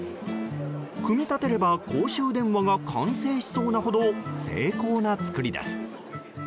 組み立てれば公衆電話が完成しそうなほど精巧な作りです。